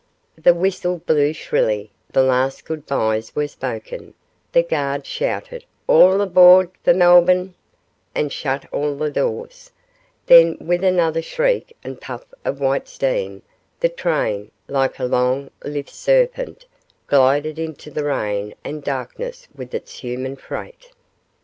The whistle blew shrilly, the last goodbyes were spoken, the guard shouted 'All aboard for Melbourne,' and shut all the doors, then, with another shriek and puff of white steam, the train, like a long, lithe serpent, glided into the rain and darkness with its human freight.